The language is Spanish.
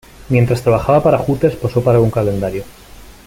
Mientras trabajaba para Hooters posó para un calendario.